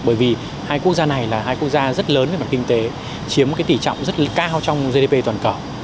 bởi vì hai quốc gia này là hai quốc gia rất lớn về mặt kinh tế chiếm một tỉ trọng rất cao trong gdp toàn cầu